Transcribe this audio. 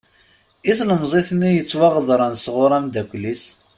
I tlemẓit-nni yettwaɣedren s ɣur amddakel-is.